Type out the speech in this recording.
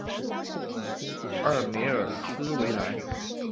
奥尔梅尔斯维莱。